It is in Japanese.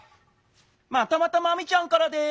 またまたマミちゃんからです。